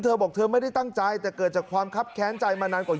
เธอบอกเธอไม่ได้ตั้งใจแต่เกิดจากความคับแค้นใจมานานกว่า